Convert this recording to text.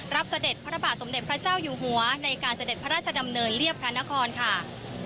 เสด็จพระบาทสมเด็จพระเจ้าอยู่หัวในการเสด็จพระราชดำเนินเรียบพระนครค่ะ